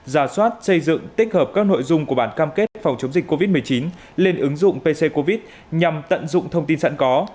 giả soát xây dựng tích hợp các nội dung của bản cam kết phòng chống dịch covid một mươi chín lên ứng dụng pc covid nhằm tận dụng thông tin sẵn có